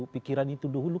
pikiran itu dulu